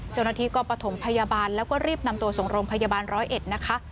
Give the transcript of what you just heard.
เจ้าหน้าที่ก็ประถมพยาบาลแล้วก็รีบนำตัวส่งโรงพยาบาลร้อยเอ็ดนะคะ